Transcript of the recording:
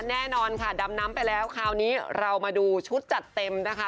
แน่นอนค่ะดำน้ำไปแล้วคราวนี้เรามาดูชุดจัดเต็มนะคะ